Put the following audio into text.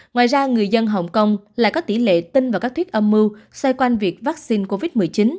ngoài ra người dân hong kong lại có tỉ lệ tin vào các thuyết âm mưu xoay quanh việc vaccine covid một mươi chín